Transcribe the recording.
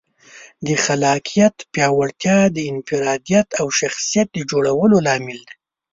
د خلاقیت پیاوړتیا د انفرادیت او شخصیت د جوړولو لامل ده.